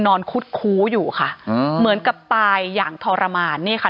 คุดคู้อยู่ค่ะอืมเหมือนกับตายอย่างทรมานนี่ค่ะ